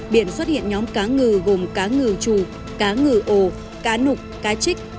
biển xuất hiện nhóm cá ngừ gồm cá ngừ trù cá ngừ ồ cá nục cá trích